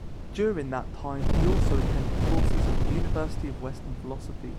During that time, he also attended courses at the University in Western Philosophy.